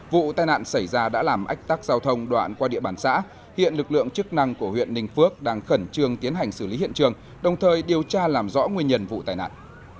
vụ tai nạn xảy ra đã làm ách tắc giao thông đoạn qua địa bàn xã hiện lực lượng chức năng của huyện ninh phước đang khẩn trương tiến hành xử lý hiện trường đồng thời điều tra làm rõ nguyên nhân vụ tai nạn